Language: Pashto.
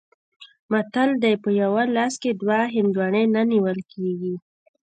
متل دی: په یوه لاس کې دوه هندواڼې نه نیول کېږي.